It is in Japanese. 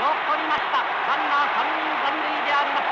ランナー３人残塁であります。